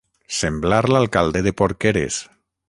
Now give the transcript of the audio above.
Semblar l'alcalde de Porqueres.